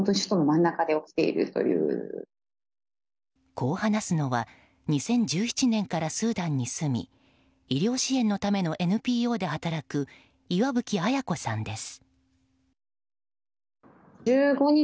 こう話すのは２０１７年からスーダンに住み医療支援のためのＮＰＯで働く岩吹綾子さんです。